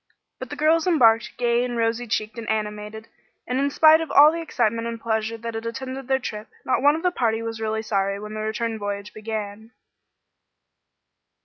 But the girls embarked gay and rosy cheeked and animated, and in spite of all the excitement and pleasure that had attended their trip, not one of the party was really sorry when the return voyage began.